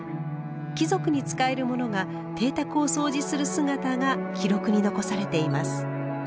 貴族に仕える者が邸宅をそうじする姿が記録に残されています。